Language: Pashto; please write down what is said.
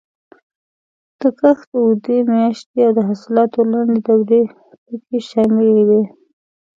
د کښت اوږدې میاشتې او د حاصلاتو لنډې دورې پکې شاملې وې.